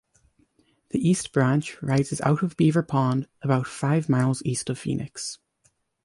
The east branch rises out of Beaver Pond about five miles east of Phoenix.